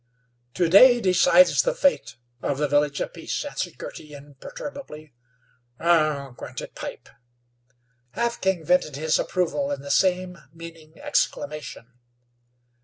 "To day decides the fate of the Village of Peace," answered Girty, imperturbably. "Ugh!" grunted Pipe. Half King vented his approval in the same meaning exclamation.